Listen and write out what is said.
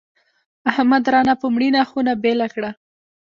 احمد رانه په مړینه خونه بېله کړه.